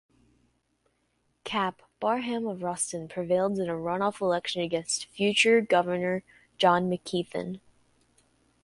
"Cap" Barham of Ruston, prevailed in a runoff election against future Governor John McKeithen.